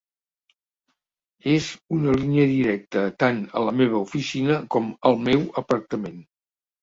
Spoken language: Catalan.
És una línia directa tant a la meva oficina com al meu apartament.